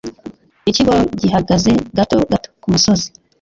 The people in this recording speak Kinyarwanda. Ikigo gihagaze gato gato kumusozi.